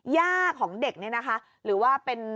ย่าของเด็กเนี่ยนะคะหรือว่าเป็น